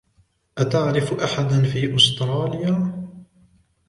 أتعرف أحدًا في أستراليا؟